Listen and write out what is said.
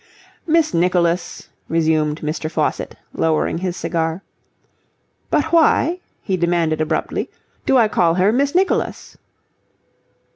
"Miss Nicholas," resumed Mr. Faucitt, lowering his cigar, "... But why," he demanded abruptly, "do I call her Miss Nicholas?"